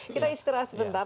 kita istirahat sebentar